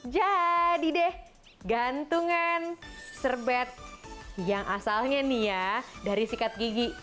jadi deh gantungan serbet yang asalnya nih ya dari sikat gigi